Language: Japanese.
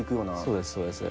そうですそうです。